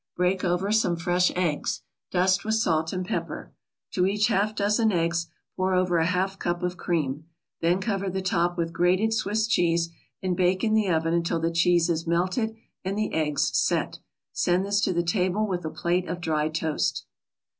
Break over some fresh eggs. Dust with salt and pepper. To each half dozen eggs, pour over a half cup of cream. Then cover the top with grated Swiss cheese and bake in the oven until the cheese is melted and the eggs "set." Send this to the table with a plate of dry toast.